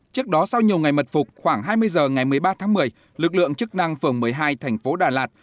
trước đó sau nhiều ngày mật phục khoảng hai mươi h ngày một mươi ba tháng một mươi lực lượng chức năng phường một mươi hai thành phố đà lạt